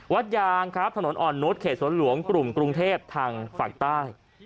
วัดยางถนนอ่อนนุฏเขตสวนหลวงกลุ่มกรุงเทพฝั่งฝั่งใต้